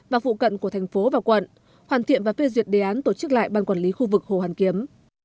và phụ cận của thành phố và quận hoàn thiện và phê duyệt đề án tổ chức lại ban quản lý khu vực hồ hoàn kiếm